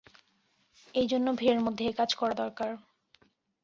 এইজন্য ভিড়ের মধ্যে এ কাজ দরকার।